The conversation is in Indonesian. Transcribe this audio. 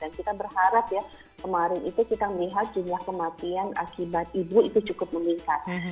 dan kita berharap ya kemarin itu kita melihat jumlah kematian akibat ibu cukup meningkat